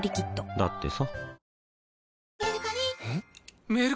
だってさ